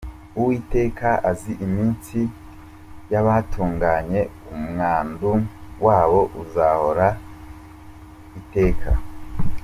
Uwiteka azi iminsi y’abatunganye, Umwandu wabo uzahoraho iteka.